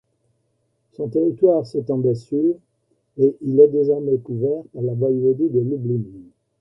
Son territoire s'étendait sur et il est désormais couvert par la voïvodie de Lublin.